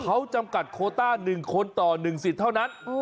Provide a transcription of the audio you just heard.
เขาจำกัดโคต้า๑คนต่อ๑สิทธิ์เท่านั้น